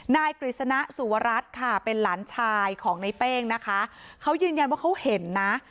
กฤษณะสุวรัตน์ค่ะเป็นหลานชายของในเป้งนะคะเขายืนยันว่าเขาเห็นนะ